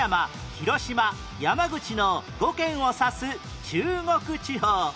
広島山口の５県を指す中国地方